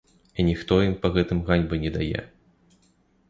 І ніхто ім па гэтым ганьбы не дае.